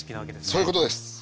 そういうことです。